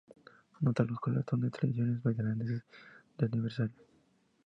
Nota: Los colores son los tradicionales tailandeses de aniversarios.